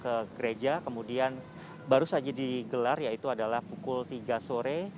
ke gereja kemudian baru saja digelar yaitu adalah pukul tiga sore